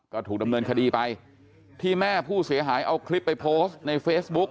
ก็ถูกดำเนินคดีไปที่แม่ผู้เสียหายเอาคลิปไปโพสต์ในเฟซบุ๊ก